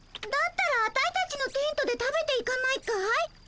だったらアタイたちのテントで食べていかないかい？